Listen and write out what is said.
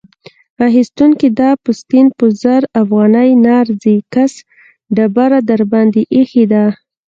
اخيستونکی: دا پوستین په زر افغانۍ نه ارزي؛ کس ډبره درباندې اېښې ده.